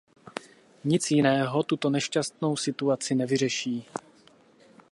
Nic jiného tuto nešťastnou situaci nevyřeší.